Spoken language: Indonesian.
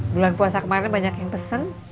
bulan puasa kemarin banyak yang pesen